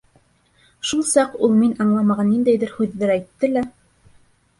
Шул саҡ ул мин аңламаған ниндәйҙер һүҙҙәр әйтте лә: